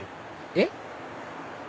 えっ？